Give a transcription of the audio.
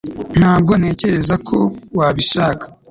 ntabwo ntekereza ko wabishaka